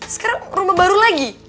sekarang rumah baru lagi